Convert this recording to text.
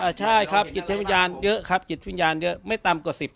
ใช่ครับจิตวิญญาณเยอะครับจิตวิญญาณเยอะไม่ต่ำกว่า๑๐